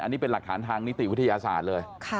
อันนี้เป็นหลักฐานทางนิติวิทยาศาสตร์เลย